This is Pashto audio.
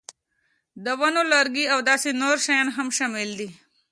د ونو لرګي او داسې نور شیان هم شامل دي.